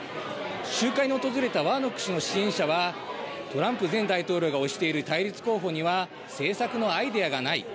集会に訪れたワーノック氏の支援者はトランプ前大統領が推している対立候補には政策のアイデアがない。